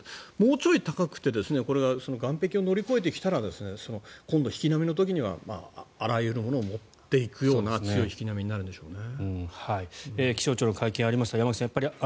もうちょい高くてこれが岸壁を乗り越えてきたら今度引き波の時にはあらゆるものを持っていくような強い引き波になるんでしょうね。